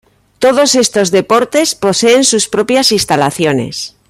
Todos estos deportes poseen sus propias instalaciones.